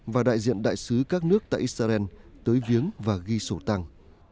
và đại diện đại sứ các nước tại israel tới viếng và ghi sổ tăng